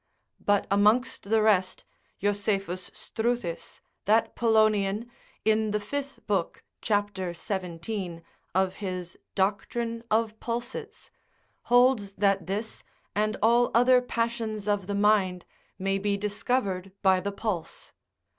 But amongst the rest, Josephus Struthis, that Polonian, in the fifth book, cap. 17. of his Doctrine of Pulses, holds that this and all other passions of the mind may be discovered by the pulse.